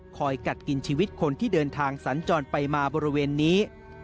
กัดกินชีวิตคนที่เดินทางสัญจรไปมาบริเวณนี้